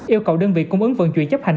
yêu cầu đơn vị cung ứng vận chuyển chấp hành